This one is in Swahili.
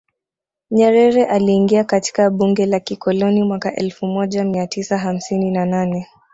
Nyerere aliingia katika bunge la kikoloni mwaka elfu moja mia tisa hamsini na nane